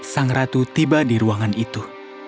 sang ratu tiba di ruangan itu